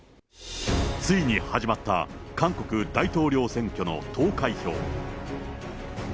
ついに始まった韓国大統領選挙の投開票。